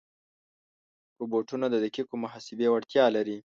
روبوټونه د دقیقو محاسبې وړتیا لري.